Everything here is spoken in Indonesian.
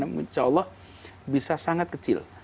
insya allah bisa sangat kecil